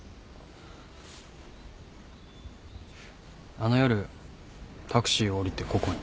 あの夜タクシーを降りてここに。